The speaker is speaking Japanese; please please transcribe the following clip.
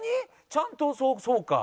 ちゃんとそうか。